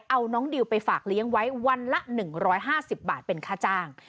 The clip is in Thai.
เอาน้องดิวไปฝากเลี้ยงไว้วันละ๑๕๐บาทเป็นค่าจ้าง